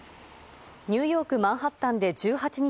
ニューヨーク・マンハッタンで１８日